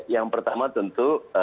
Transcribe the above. yang pertama tentu